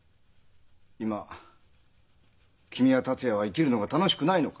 今君や達也は生きるのが楽しくないのか？